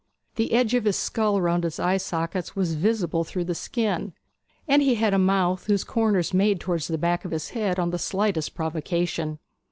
The edge of his skull round his eye sockets was visible through the skin, and he had a mouth whose corners made towards the back of his head on the slightest provocation.